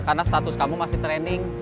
karena status kamu masih training